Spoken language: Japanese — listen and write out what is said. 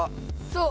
そう。